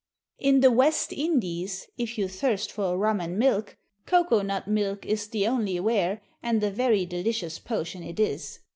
In the West Indies, if you thirst for a rum and milk, cocoa nut milk is the "only wear"; and a very delicious potion it is.